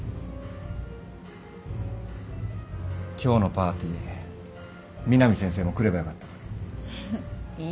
今日のパーティー美南先生も来ればよかったのに。